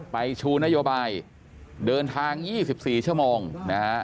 ชูนโยบายเดินทาง๒๔ชั่วโมงนะฮะ